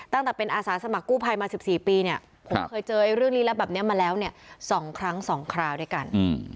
ตั้งแต่เป็นอาสาสมัครกู้ภัยมา๑๔ปีเนี่ยผมเคยเจอเรื่องลี้ลับแบบนี้มาแล้วเนี่ย๒ครั้ง๒คราวด้วยกัน